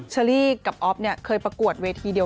เจอรี่ก็เหมือนกันสวยเหมือนเดิม